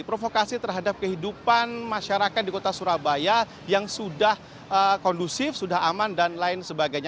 provokasi terhadap kehidupan masyarakat di kota surabaya yang sudah kondusif sudah aman dan lain sebagainya